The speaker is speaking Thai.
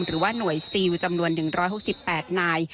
หรือว่าหน่วยซิลจำนวน๑๖๘นาย